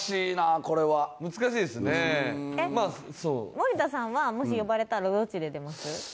森田さんはもし呼ばれたらどっちで出ます？